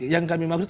yang kami maksud